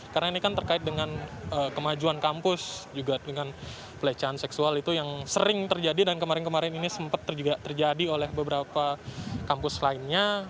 karena ini kan terkait dengan kemajuan kampus juga dengan pelecehan seksual itu yang sering terjadi dan kemarin kemarin ini sempat juga terjadi oleh beberapa kampus lainnya